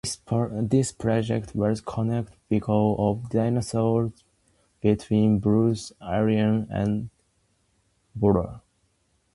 This project was cancelled because of disagreements between Brussels Airlines and Hewa Bora.